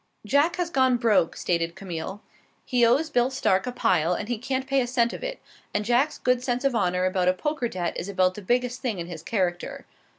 "Jack has gone broke," stated Camille. "He owes Bill Stark a pile, and he can't pay a cent of it; and Jack's sense of honor about a poker debt is about the biggest thing in his character.